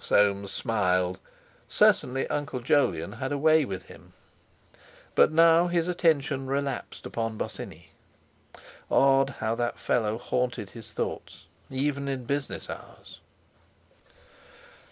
Soames smiled. Certainly Uncle Jolyon had a way with him! But now his attention relapsed upon Bosinney. Odd how that fellow haunted his thoughts, even in business hours.